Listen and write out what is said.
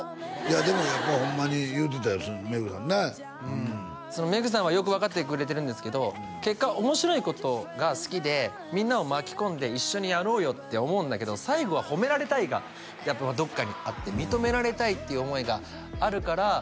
でもやっぱホンマに言うてたよめぐさんなっめぐさんはよく分かってくれてるんですけど結果面白いことが好きでみんなを巻き込んで一緒にやろうよって思うんだけど最後は褒められたいがやっぱどっかにあって認められたいっていう思いがあるから